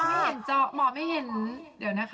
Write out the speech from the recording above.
สวัสดีคะหมอไม่เห็นเดี๋ยวนะค่ะ